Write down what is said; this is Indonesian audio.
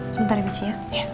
sebentar ya mici ya